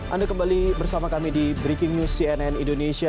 anda kembali bersama kami di breaking news cnn indonesia